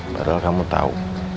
padahal kamu tahu